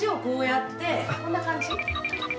こんな感じ？